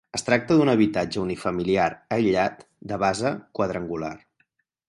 Es tracta d'un habitatge unifamiliar aïllat, de base quadrangular.